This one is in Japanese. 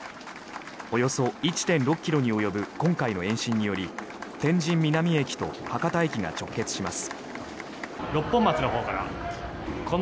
およそ１．６ｋｍに及ぶ今回の延伸により天神南駅と博多駅が直結します。